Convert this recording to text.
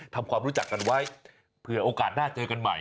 ทำความรู้จักกันไว้เผื่อโอกาสหน้าเจอกันใหม่